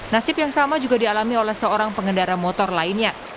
nasib yang sama juga dialami oleh seorang pengendara motor lainnya